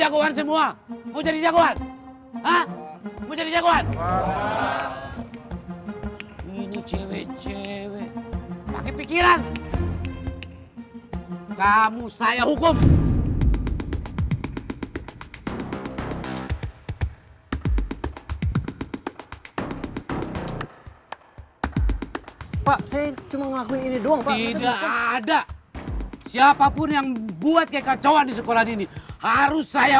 bumbar semua bumbar